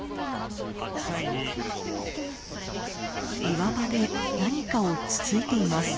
岩場で何かをつついています。